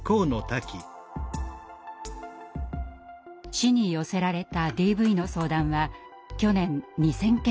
市に寄せられたＤＶの相談は去年２，０００件以上。